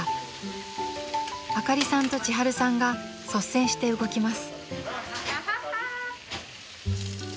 ［あかりさんとちはるさんが率先して動きます］